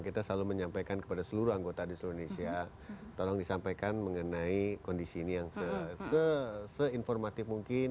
kita selalu menyampaikan kepada seluruh anggota di seluruh indonesia tolong disampaikan mengenai kondisi ini yang seinformatif mungkin